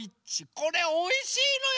これおいしいのよ。